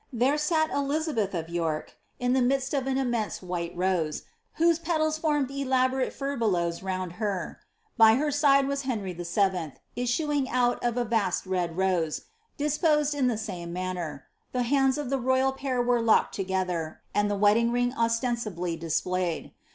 There sat Elizabeth of York, in the midst of an immense white rose, whose petals formed elaborate furbelows round ^ Holinshed, vol. ii., p. 1787. ■ LIIABSTH. lis kr; by her side was Ilenry VII. issuing out of a vast red rose, dis posed in the same manner; the hands of the rojral pair were locked toother, and the wedding ring ostentatiously displayed.